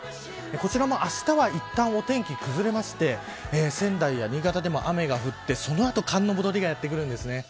こちらも明日はいったんお天気崩れまして仙台や新潟でも雨が降ってその後、寒の戻りがあります。